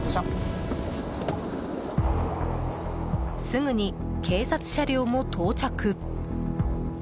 すぐに、警察車両も到着。